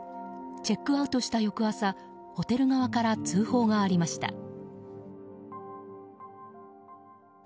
チェックアウトした翌朝ホテル側から通報がありました。